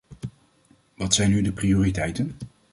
Wat zijn nu de prioriteiten?